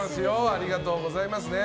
ありがとうございますね。